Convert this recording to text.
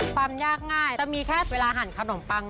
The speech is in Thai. ความยากง่ายจะมีแค่เวลาหั่นขนมปัง